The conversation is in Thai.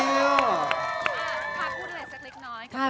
พูดอะไรสักเล็กน้อย